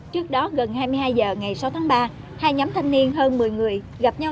trước đó gần hai mươi hai h ngày sáu tháng ba hai nhóm thanh niên hơn một mươi người gặp nhau